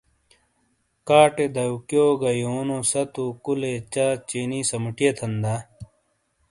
کاٹے ، دیکیو گہ گا یونو ستو، کُولے ، چہ ، چینی سَمُو ٹِئیے تھَن دا؟۔